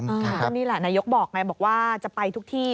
ก็นี่แหละนายกบอกไงบอกว่าจะไปทุกที่